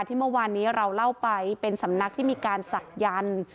ที่เมื่อวานนี้เราเล่าไปเป็นสำนักที่มีการศักยันต์